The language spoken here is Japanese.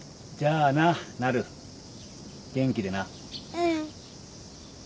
うん。